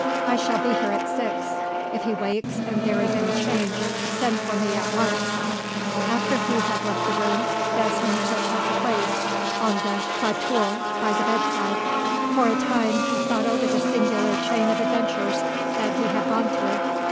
I shall be here at six. If he wakes, and there is any change, send for me at once." After he had left the room, Desmond took his place on the fauteuil by the bedside. For a time, he thought over the singular chain of adventures that he had gone through.